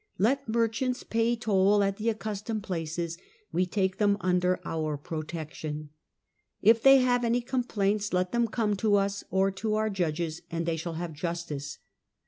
Let merchants pay toll at the accustomed places ; we take them under our protection. If they have any complaints, let them come to us or to our judges, and they shall have justice.